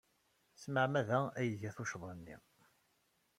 S tmeɛmada ay iga tuccḍa-nni.